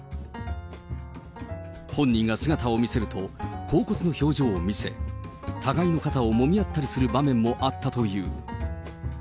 本人が姿を見せると、恍惚の表情を見せ、互いの肩をもみ合ったりする場面もあったという。